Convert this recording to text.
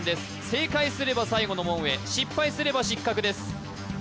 正解すれば最後の門へ失敗すれば失格です